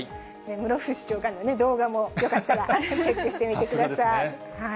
室伏長官の動画もよかったらチェックしてみてください。